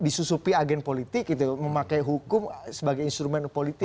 itu disusupi agen politik memakai hukum sebagai instrumen politik